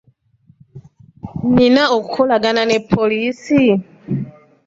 Nina okukolagana ne poliisi?